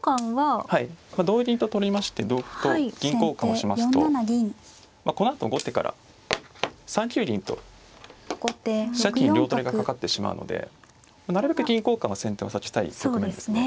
はい同銀と取りまして同歩と銀交換をしますとこのあと後手から３九銀と飛車金両取りがかかってしまうのでなるべく銀交換は先手は避けたい局面ですね。